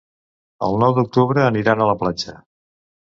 El nou d'octubre aniran a la platja.